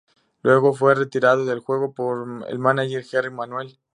Luego fue retirado del juego por el mánager "Jerry Manuel".